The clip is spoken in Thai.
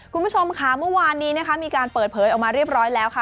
คุณผู้ชมค่ะเมื่อวานนี้นะคะมีการเปิดเผยออกมาเรียบร้อยแล้วค่ะ